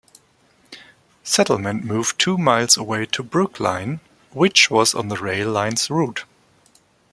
Settlement moved two miles away to Brookline which was on the rail line's route.